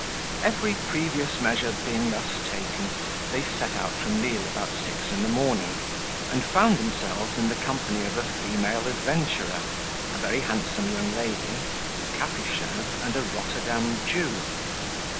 Every previous measure being thus taken, they set out from Lisle about six in the morning, and found themselves in the company of a female adventurer, a very handsome young lady, a Capuchin, and a Rotterdam Jew.